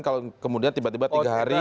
kalau kemudian tiba tiba tiga hari